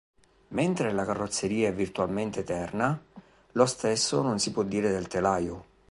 Mentre la carrozzeria è virtualmente eterna, lo stesso non si può dire del telaio.